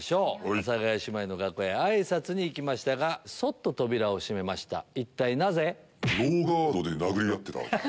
阿佐ヶ谷姉妹の楽屋へあいさつに行きましたがそっと扉を閉めました一体なぜ？